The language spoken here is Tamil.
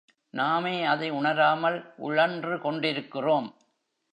நாமே அதை உணராமல் உழன்று கொண்டிருக்கிறோம்.